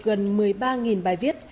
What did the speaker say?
gần một mươi ba bài viết